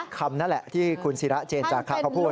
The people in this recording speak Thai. คำนั่นแหละที่คุณศิราเจนจาคะเขาพูด